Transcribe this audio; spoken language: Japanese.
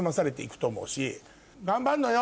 頑張るのよ。